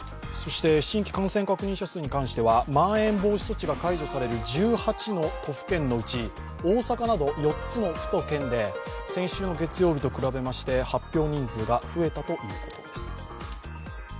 そして新規感染確認者数に関してはまん延防止措置が解除される１８の都府県のうち大阪など４つの府と県で先週の月曜日と比べまして、発表人数が増えたということです。